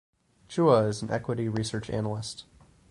Chua is an equity research analyst.